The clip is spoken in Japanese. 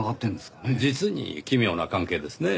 実に奇妙な関係ですねぇ。